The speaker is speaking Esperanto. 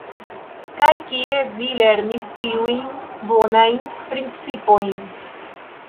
Kaj kie vi lernis tiujn bonajn principojn?